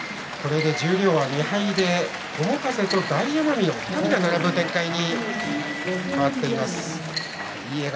十両は２敗で友風と大奄美２人が並ぶ展開となっています。